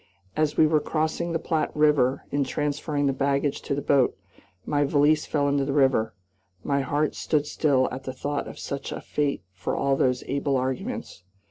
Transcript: As we were crossing the Platte River, in transferring the baggage to the boat, my valise fell into the river. My heart stood still at the thought of such a fate for all those able arguments.